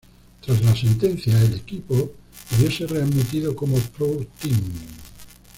Tras la sentencia el equipo debió ser readmitido como ProTeam.